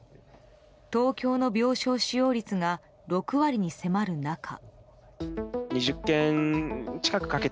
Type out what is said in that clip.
東京の病床使用率が６割に迫る中。